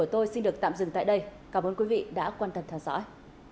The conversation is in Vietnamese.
tôi xin được tạm dừng tại đây cảm ơn quý vị đã quan tâm theo dõi